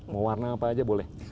mau warna apa aja boleh